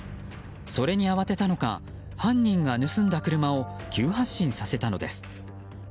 それに慌てたのか犯人が盗んだ車を急発進させたのです。